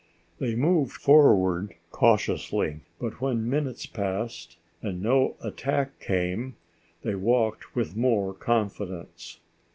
They moved forward cautiously, but when minutes passed and no attack came they walked with more confidence.